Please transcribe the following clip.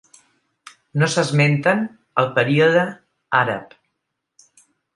No s'esmenten el període àrab.